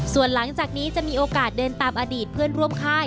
ส่วนหลังจากนี้จะมีโอกาสเดินตามอดีตเพื่อนร่วมค่าย